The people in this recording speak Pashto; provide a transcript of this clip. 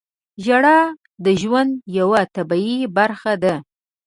• ژړا د ژوند یوه طبیعي برخه ده.